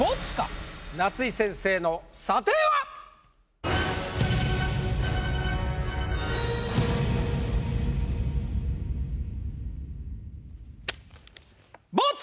夏井先生の査定は⁉ボツ！